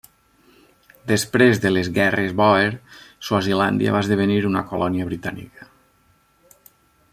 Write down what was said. Després de les Guerres Bòer, Swazilàndia va esdevenir una colònia britànica.